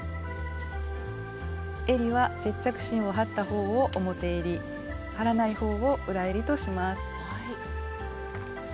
えりは接着芯を貼った方を表えり貼らない方を裏えりとします。